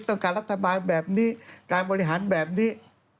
ต้องการรัฐบาลแบบนี้การบริหารแบบนี้